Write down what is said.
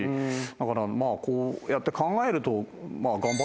だからこうやって考えると。